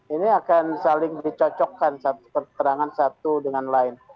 ini akan saling dicocokkan satu keterangan satu dengan lain